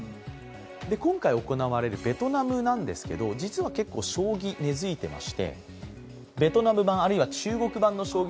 今回行われるベトナムなんですけど実は結構将棋、根付いています。